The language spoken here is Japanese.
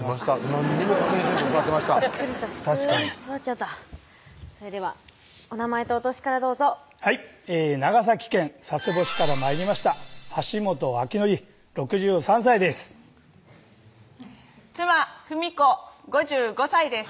何にも確認せんと座ってました普通に座っちゃったそれではお名前とお歳からどうぞはい長崎県佐世保市から参りました橋本昭典６３歳です妻・二三子５５歳です